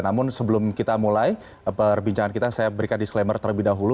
namun sebelum kita mulai perbincangan kita saya berikan disclaimer terlebih dahulu